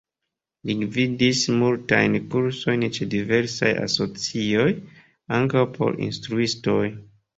Li gvidis multajn kursojn ĉe diversaj asocioj, ankaŭ por instruistoj.